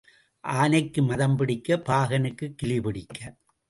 ஆனைக்கு மதம் பிடிக்க, பாகனுக்குக் கிலி பிடிக்க.